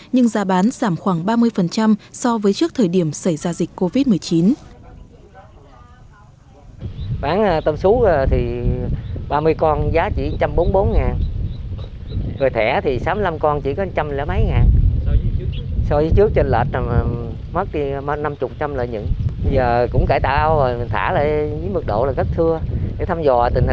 nhưng giá bán giảm khoảng ba mươi so với trước thời điểm xảy ra dịch covid một mươi chín